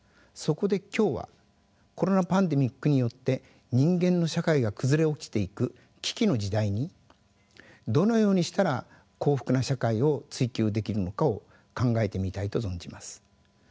そこで今日はコロナパンデミックによって人間の社会が崩れ落ちていく危機の時代にどのようにしたら幸福な社会を追求できるのかを考えてみたいと存じます。